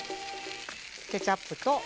ケチャップと。